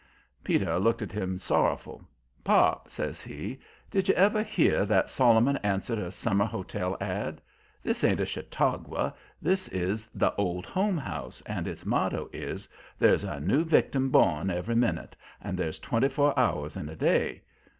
Peter looked at him sorrowful. "Pop," says he, "did you ever hear that Solomon answered a summer hotel ad? This ain't a Chautauqua, this is the Old Home House, and its motto is: 'There's a new victim born every minute, and there's twenty four hours in a day.'